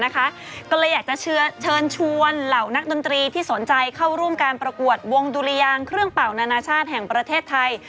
ก็เลยอยากจะเชิญชวนเหล่านักดนตรีที่สนใจเข้าร่วมการประกวดวงดุรยางเครื่องเป่านานาชาติแห่งประเทศไทย